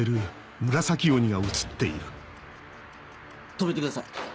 止めてください。